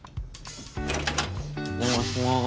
お邪魔します。